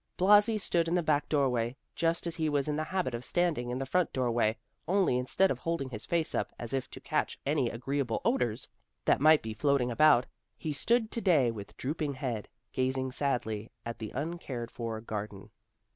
Blasi stood in the back doorway, just as he was in the habit of standing in the front doorway, only instead of holding his face up as if to catch any agreeable odors that might be floating about, he stood to day with drooping head, gazing sadly at the uncared for garden.